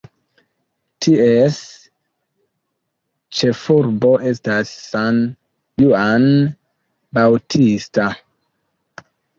Ties ĉefurbo estas San Juan Bautista.